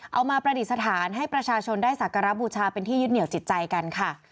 มาประดิษฐานให้ประชาชนได้สักการะบูชาเป็นที่ยึดเหนียวจิตใจกันค่ะ